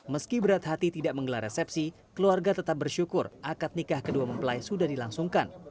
meski berat hati tidak menggelar resepsi keluarga tetap bersyukur akad nikah kedua mempelai sudah dilangsungkan